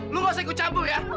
lu gak usah ikut cabul ya